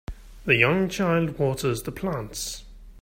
The young child waters the plants